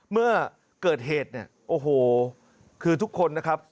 เมื่อเกิดเหตุเนี่ยโอ้โหคือทุกคนนะครับ